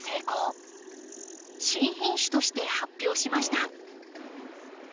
新品種として発表しました。